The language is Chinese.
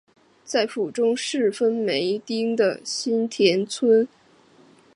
在府中市分梅町的新田川分梅公园有分倍河原古战场碑。